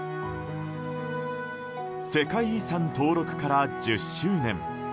世界遺産登録から１０周年。